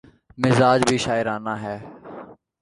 مزاج بھی شاعرانہ ہے۔